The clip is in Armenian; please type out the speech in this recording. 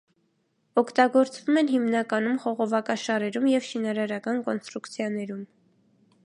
Օգտագործվում են հիմնականում խողովակաշարերում և շինարարական կոնստրուկցիաներում։